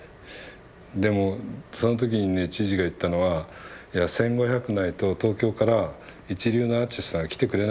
でもその時にね知事が言ったのは１，５００ないと東京から一流のアーティストが来てくれないと。